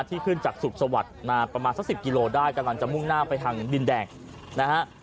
ที่ขึ้นจากสุขสวัสดิ์มาประมาณสัก๑๐กิโลได้กำลังจะมุ่งหน้าไปทางดินแดงนะฮะ